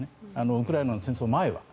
ウクライナの戦争前は。